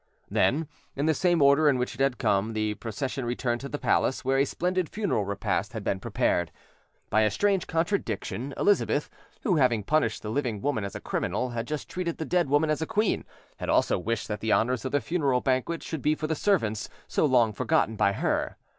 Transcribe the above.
Then, in the same order in which it had come, the procession returned to the palace, where a splendid funeral repast had been prepared. By a strange contradiction, Elizabeth, who, having punished the living woman as a criminal, had just treated the dead woman as a queen, had also wished that the honours of the funeral banquet should be for the servants, so long forgotten by her.